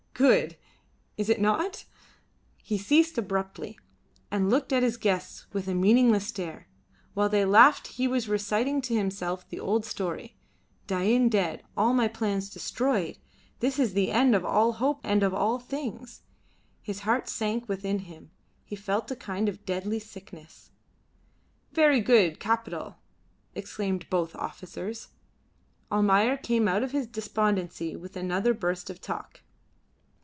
Good, is it not?" He ceased abruptly and looked at his guests with a meaningless stare. While they laughed he was reciting to himself the old story: "Dain dead, all my plans destroyed. This is the end of all hope and of all things." His heart sank within him. He felt a kind of deadly sickness. "Very good. Capital!" exclaimed both officers. Almayer came out of his despondency with another burst of talk.